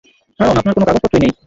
কারণ আপনার কোনো কাগজ পত্রই নেই।